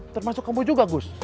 termasuk kamu juga gus